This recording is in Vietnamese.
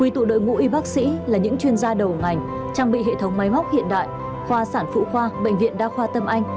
trang bị hệ thống máy móc hiện đại khoa sản phụ khoa bệnh viện đa khoa tâm anh